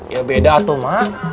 ya beda tuh mak